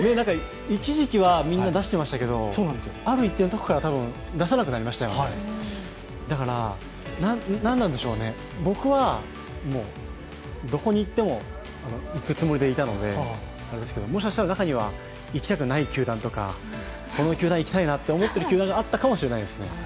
一時期はみんな出していましたけど、ある一定のときから多分、出さなくなりましたよねだから、なんなんでしょうね、僕はどこにいっても行くつもりでいたのであれですけれども、もしかしたら中には行きたくない球団とか、この球団いきたいなって思ってる球団があったかもしれないですね。